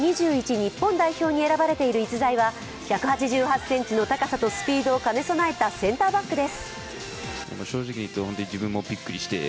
日本代表に選ばれている逸材は１８８ｃｍの高さとスピードを兼ね備えたセンターバックです。